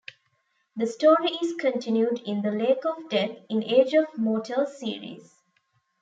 The story is continued in "The Lake of Death" in Age of Mortals series.